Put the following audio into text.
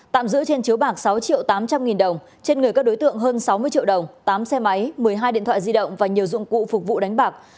tạm giữ trên chiếu bạc sáu triệu tám trăm linh nghìn đồng trên người các đối tượng hơn sáu mươi triệu đồng tám xe máy một mươi hai điện thoại di động và nhiều dụng cụ phục vụ đánh bạc